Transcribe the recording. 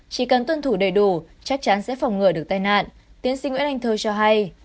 chỉ cần tuân thủ đầy đủ chắc chắn sẽ phòng ngừa được tai nạn tiến sĩ nguyễn anh thơ cho hay